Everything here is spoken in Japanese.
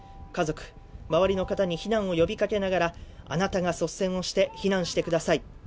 家族、周りの方に避難を呼びかけながら、あなたが率先をして避難してください。